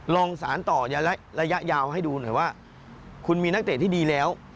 ลองสารต่อระยะยาวให้ดูหน่อยว่าคุณมีนักเตะที่ดีแล้ว